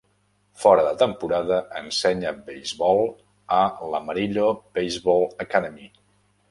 Fora de temporada, ensenya beisbol a l'Amarillo Baseball Academy.